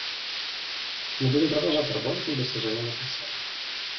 Мы будем продолжать работать над достижением этой цели.